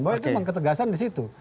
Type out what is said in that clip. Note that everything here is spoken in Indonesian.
bahwa itu memang ketegasan di situ